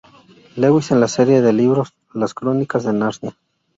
Lewis en la serie de libros "Las Crónicas de Narnia".